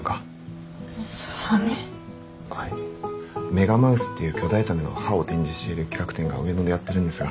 メガマウスっていう巨大ザメの歯を展示している企画展が上野でやってるんですが。